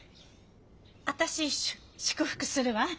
私しゅ祝福するわ。